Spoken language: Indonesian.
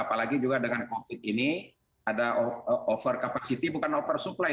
apalagi juga dengan covid ini ada over capacity bukan oversupply